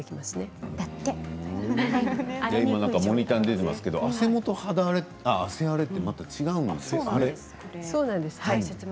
モニターに出ていますがあせもと汗荒れって違うんですね。